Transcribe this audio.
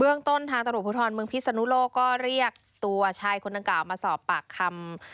เรื่องต้นทางตำรวจภูทรเมืองพิศนุโลกก็เรียกตัวชายคนดังกล่าวมาสอบปากคำ